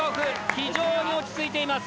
非常に落ち着いています。